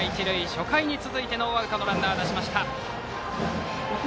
初回に続いて、ノーアウトのランナーを出しました。